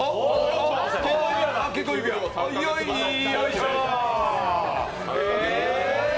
よいしょー。